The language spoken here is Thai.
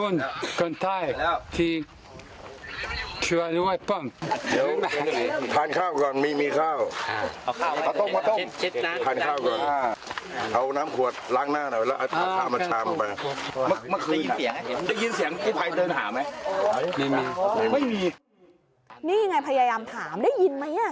นี่ไงพยายามถามได้ยินไหม